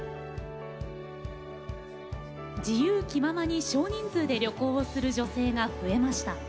自由気ままに少人数で旅行をする女性が増えました。